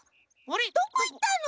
どこいったの？